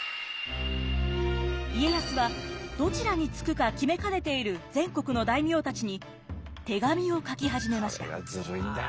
家康はどちらにつくか決めかねている全国の大名たちに手紙を書き始めました。